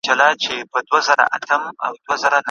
په ماړه د محل کونډي یتمیان دي